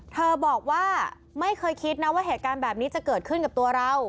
เธอบอกว่าไม่เคยคิดนะว่าเหตุการณ์แบบนี้จะเกิดขึ้นกับตัวเรา